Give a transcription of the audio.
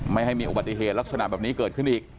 ไม่ให้มีอุบัติเหตุลักษณะแบบนี้เกิดขึ้นอีก